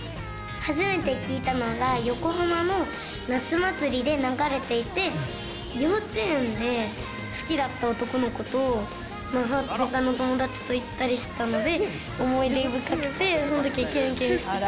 初めて聴いたのが、横浜の夏祭りで流れていて、幼稚園で好きだった男の子と、ほかの友達と行ったりしたので、思い出深くて、そのとききゅんきゅんしてて。